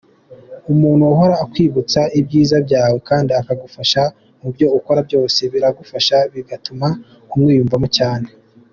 Umuntu uhora ukwibutsa ibyiza byawe kandi akagufasha mubyo ukora byose biragufasha bigatuma umwiyumvamo cyane.